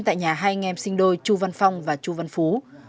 tại nhà hai anh em sinh đôi chu văn phong và chu văn phú